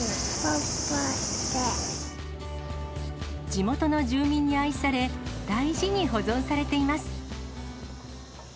地元の住民に愛され、大事に保存されています。